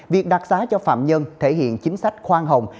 việc đặc giá cho phạm nhân thể hiện chính sách khoan hồng